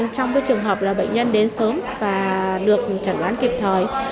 trong trường hợp là bệnh nhân đến sớm và được chẩn đoán kịp thời